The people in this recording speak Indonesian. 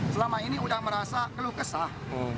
selama ini sudah merasa keluh kesah